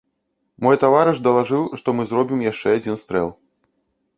Мой таварыш далажыў, што мы зробім яшчэ адзін стрэл.